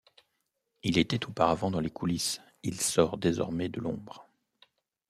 Il était auparavant dans les coulisses, il sort désormais de l'ombre.